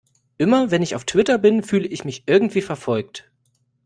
Immer, wenn ich auf Twitter bin, fühle ich mich irgendwie verfolgt.